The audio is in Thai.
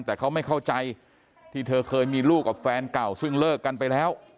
แต่เขาไม่เข้าใจที่เธอเคยมีลูกกับแฟนเก่าซึ่งเลิกกันไปแล้ว